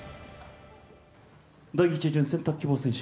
第１巡、選択希望選手